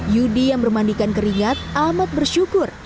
yudi yang bermandikan keringat amat bersyukur